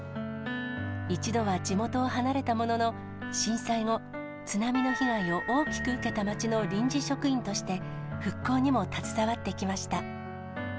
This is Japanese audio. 一度は地元を離れたものの、震災後、津波の被害を大きく受けた町の臨時職員として、復興にも携わってきました。